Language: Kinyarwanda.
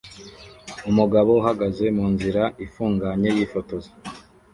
Umugabo uhagaze munzira ifunganye yifotoza